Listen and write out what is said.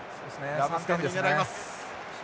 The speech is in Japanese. ラブスカフニ狙います。